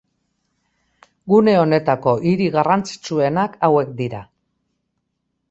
Gune honetako hiri garrantzitsuenak hauek dira.